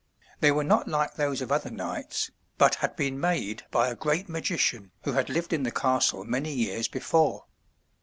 They were not like those of other knights, but had been made by a great magician who had lived in the castle many years before.